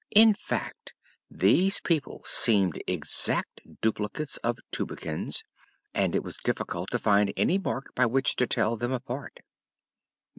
In fact, these people seemed exact duplicates of Tubekins and it was difficult to find any mark by which to tell them apart.